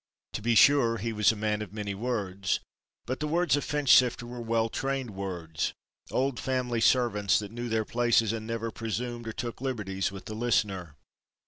To be sure he was a man of many words, but the words of Finchsifter were well trained words, old family servants that knew their places and never presumed, or took liberties with the listener.